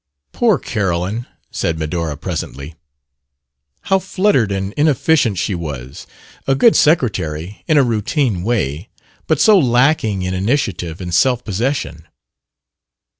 "Poor Carolyn!" said Medora presently. "How fluttered and inefficient she was! A good secretary in a routine way but so lacking in initiative and self possession!"